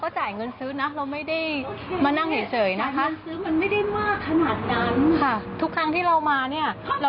แต่ว่าคุณเป็นเจ้าของร้านที่ไม่มีนะ